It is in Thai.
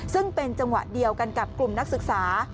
ซึ่งเป็นจังหวะเดียวกันกับกลุ่มนักศึกษา